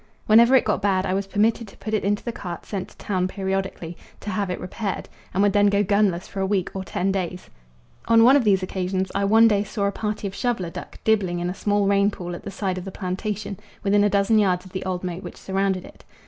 Whenever it got bad I was permitted to put it into the cart sent to town periodically, to have it repaired, and would then go gunless for a week or ten days. On one of these occasions I one day saw a party of shoveller duck dibbling in a small rain pool at the side of the plantation, within a dozen yards of the old moat which surrounded it.